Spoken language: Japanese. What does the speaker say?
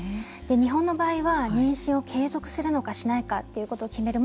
日本の場合は、妊娠を継続するのかしないのかということを決める